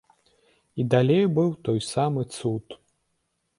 А далей быў той самы цуд.